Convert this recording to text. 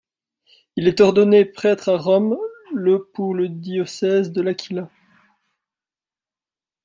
Il est ordonné prêtre à Rome le pour le diocèse de L'Aquila.